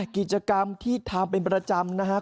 กิจกรรมที่ทำเป็นประจำนะครับ